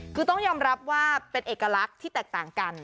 คือต้องยอมรับว่าเป็นเอกลักษณ์ที่แตกต่างกัน